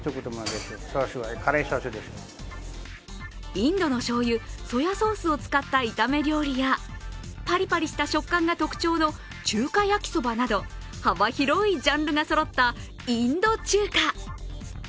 インドのしょうゆ、ソヤソースを使った炒め料理やパリパリした食感が特徴の中華やきそばなど幅広いジャンルがそろったインド中華。